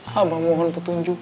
haba mohon petunjuk